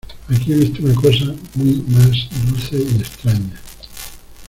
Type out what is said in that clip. Aquí he visto una cosa muy más dulce y extraña.